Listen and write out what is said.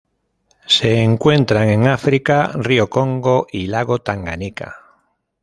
Se encuentran en África: río Congo y lago Tanganika.